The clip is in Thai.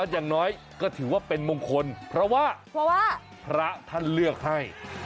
อย่างน้อยก็ถือว่าเป็นมงคลเพราะว่าเพราะว่าพระท่านเลือกให้